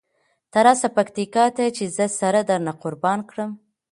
ته راسه پکتیکا ته چې زه سره درنه قربانه کړم.